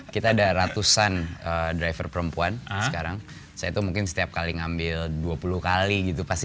kita ada ratusan driver perempuan sekarang saya itu mungkin setiap kali ngambil dua puluh kali gitu pasti